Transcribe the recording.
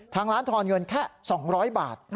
ทางร้านทอนเงินแค่๒๐๐บาท